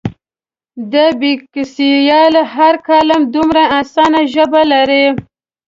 د بېکسیار هر کالم دومره اسانه ژبه لري.